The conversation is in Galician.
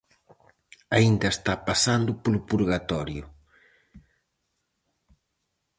Aínda está pasando polo purgatorio.